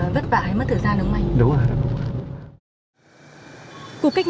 vất vả hay mất thời gian đúng không anh